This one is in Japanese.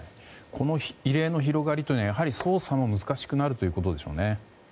異例の広がりというのは捜査も難しくなるということでしょうね。